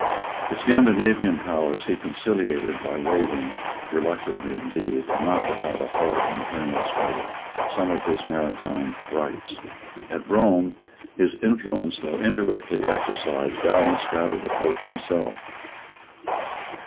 The Scandinavian powers he conciliated by waiving, reluctantly indeed, and not without a hard internal struggle, some of his maritime rights. At Rome his influence, though indirectly exercised, balanced that of the Pope himself.